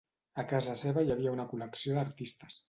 A casa seva hi havia una col·lecció d'artistes.